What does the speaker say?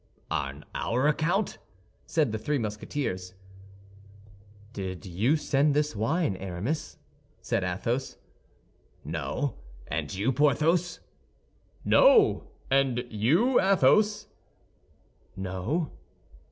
"On our account?" said the three Musketeers. "Did you send this wine, Aramis?" said Athos. "No; and you, Porthos?" "No; and you, Athos?" "No!"